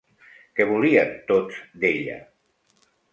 Què volien tots d'ella?